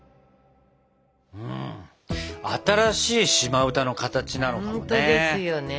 新しい島歌の形なのかもね。